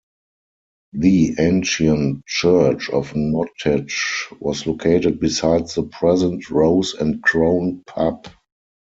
The ancient church of Nottage was located beside the present Rose and Crown pub.